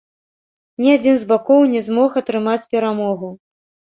Ні адзін з бакоў не змог атрымаць перамогу.